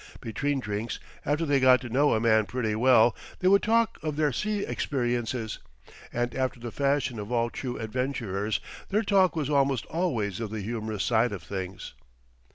Between drinks, after they got to know a man pretty well, they would talk of their sea experiences; and, after the fashion of all true adventurers, their talk was almost always of the humorous side of things.